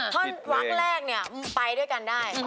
ท่อนวักแรกเนี่ยไปด้วยกันได้